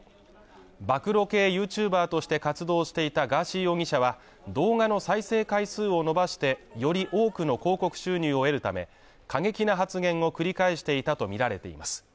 暴露系ＹｏｕＴｕｂｅｒとして活動していたガーシー容疑者は、動画の再生回数を伸ばして、より多くの広告収入を得るため過激な発言を繰り返していたとみられています